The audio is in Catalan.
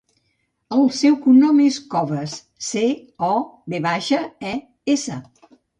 El seu cognom és Coves: ce, o, ve baixa, e, essa.